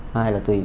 hai là tùy